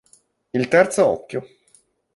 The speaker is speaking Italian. Il terzo occhio